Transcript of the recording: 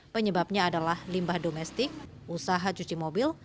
penyebabnya adalah limbah domestik usaha cuci mobil